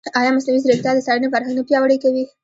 ایا مصنوعي ځیرکتیا د څارنې فرهنګ نه پیاوړی کوي؟